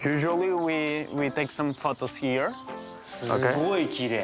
すごいきれい。